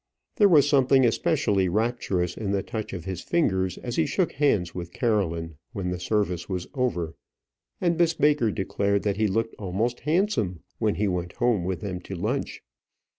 There was something especially rapturous in the touch of his fingers as he shook hands with Caroline when the service was over; and Miss Baker declared that he looked almost handsome when he went home with them to lunch.